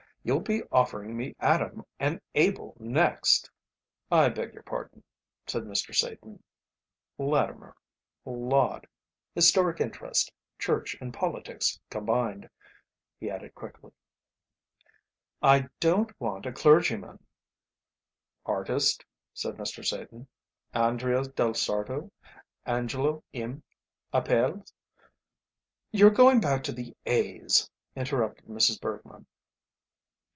You'll be offering me Adam and Abel next." "I beg your pardon," said Mr. Satan, "Latimer, Laud Historic Interest, Church and Politics combined," he added quickly. "I don't want a clergyman," said Mrs. Bergmann. "Artist?" said Mr. Satan, "Andrea del Sarto, Angelo, M., Apelles?" "You're going back to the A's," interrupted Mrs. Bergmann.